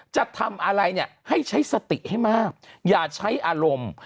จะทำอะไรเนี่ยให้ใช้สติให้มากอย่าใช้อารมณ์